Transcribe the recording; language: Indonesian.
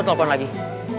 aku udah pulang kuliah